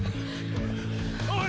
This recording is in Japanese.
おい！